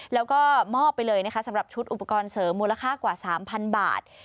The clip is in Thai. แล้วก็มอบไปเลยนะคะสำหรับชุดอุปกรณ์เสริมมูลค่ากว่า๓๐๐บาท